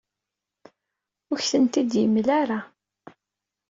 Ur ak-tent-id-yemla ara.